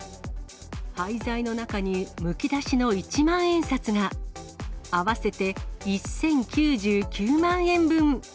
廃材の中にむき出しの一万円札が、合わせて１０９９万円分。